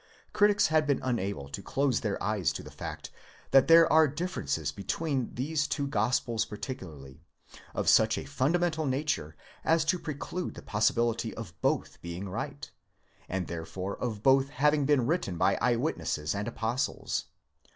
Critics had been unable to close their eyes to the fact that there are differences between these two Gospels particularly, of such a fundamental nature as to preclude the pos sibility of both being right, and therefore of both having been written by eye witnesses and apostles.